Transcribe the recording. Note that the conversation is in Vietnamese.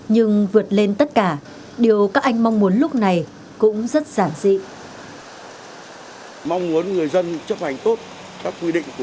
nhưng vượt lên tất cả điều các anh mong muốn lúc này cũng rất giản dị